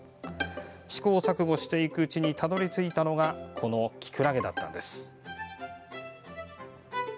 試行錯誤していくうちにたどり着いたのがこのキクラゲだったんです。